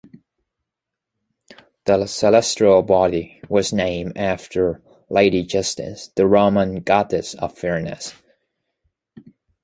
The celestial body was named after Lady Justice, the Roman goddess of fairness.